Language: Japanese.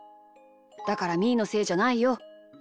だからみーのせいじゃないよ。